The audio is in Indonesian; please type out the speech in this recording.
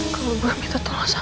kalau gue minta tolong sama dia